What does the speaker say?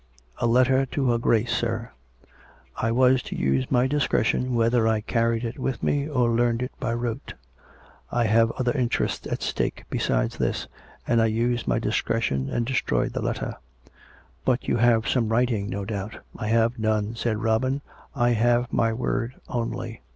" A letter to her Grace, sir. I was to use my discretion whether I carried it with me, or learned it by rote. I have other interests at stake besides this, and I used my discre tion, and destroyed the letter." "But you have some writing, no doubt "" I have none," said Robin. " I have my word only."